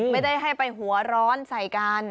ไม่ได้ให้ไปหัวร้อนใส่กัน